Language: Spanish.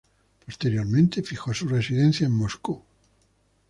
Posteriormente fijó su residencia en Moscú.